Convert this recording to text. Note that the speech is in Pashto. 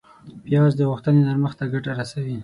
پیاز د غوښې نرمښت ته ګټه رسوي